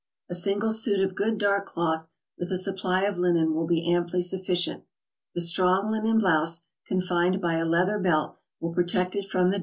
A single suit of good dark cloth, with a supply of linen, will be amply sufficient. The strong linen blouse, confined by a leather belt, will pro<tect it from the.